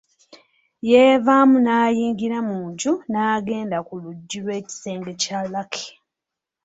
Yeevaamu n'ayingira mu nju n'agenda ku luggi lw’ekisenge kya Lucky.